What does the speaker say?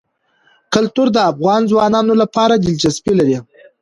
کلتور د افغان ځوانانو لپاره دلچسپي لري.